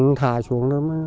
sẽ kéo dài trong bao lâu